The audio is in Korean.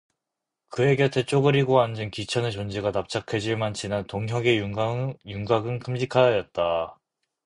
그의 곁에 쪼그리고 앉은 기천의 존재가 납작해질 만치나 동혁의 윤곽은 큼직하였다.